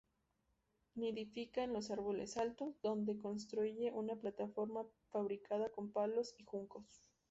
Nidifica en los árboles altos, donde construye una plataforma fabricada con palos y juncos.